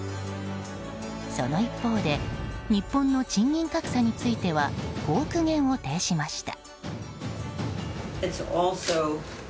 その一方で日本の賃金格差についてはこう苦言を呈しました。